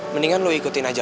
mendingan lo ikutin aja